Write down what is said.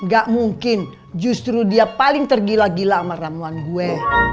gak mungkin justru dia paling tergila gila sama ramuan gue